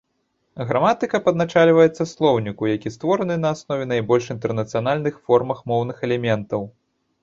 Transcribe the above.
Граматыка падначальваецца слоўніку, які створаны на аснове найбольш інтэрнацыянальных формах моўных элементаў.